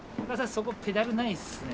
そこペダルないですね。